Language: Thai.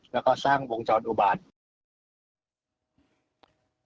และก็สร้างวงจรอบาล